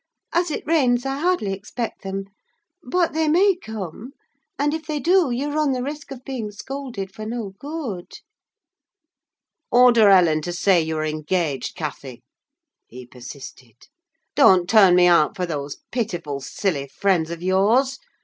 "As it rains, I hardly expect them; but they may come, and if they do, you run the risk of being scolded for no good." "Order Ellen to say you are engaged, Cathy," he persisted; "don't turn me out for those pitiful, silly friends of yours!